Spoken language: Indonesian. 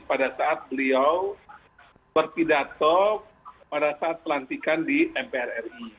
pada saat beliau berpidato pada saat pelantikan di mpr ri